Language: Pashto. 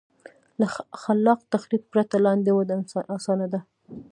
له خلاق تخریب پرته لاندې وده اسانه ده.